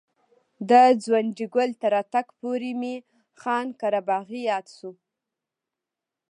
د ځونډي ګل تر راتګ پورې مې خان قره باغي یاد شو.